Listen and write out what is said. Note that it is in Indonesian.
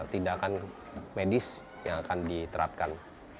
tindakan medis yang akan diterapkan